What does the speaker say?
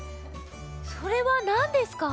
それはなんですか？